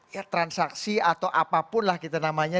ya transaksi atau apapunlah kita namanya